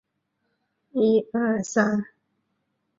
颂遐书室的历史年代为清代。